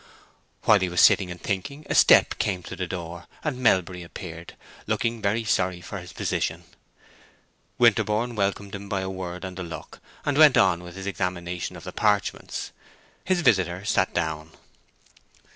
While he was sitting and thinking a step came to the door, and Melbury appeared, looking very sorry for his position. Winterborne welcomed him by a word and a look, and went on with his examination of the parchments. His visitor sat down.